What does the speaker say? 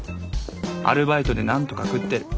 アルバイトで何とか食ってる。